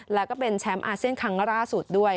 แล้วก็เป็นแชมป์อาเซียนครั้งล่าสุดด้วย